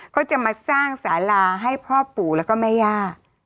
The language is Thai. เขาจะมาสร้างสาราให้พ่อปู่แล้วก็แม่ย่า